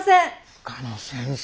深野先生